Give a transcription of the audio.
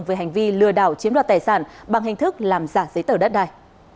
về hành vi lừa đảo chiếm đoạt tài sản bằng hình thức làm giả giấy tờ đất đài